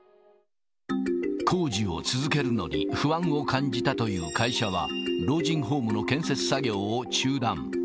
工事を続けるのに不安を感じたという会社は、老人ホームの建設作業を中断。